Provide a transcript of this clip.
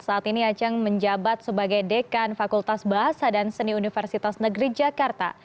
saat ini aceng menjabat sebagai dekan fakultas bahasa dan seni universitas negeri jakarta